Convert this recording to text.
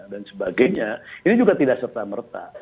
dan sebagainya ini juga tidak serta merta